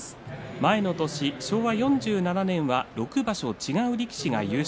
前の年、昭和４７年は６場所違う力士が優勝。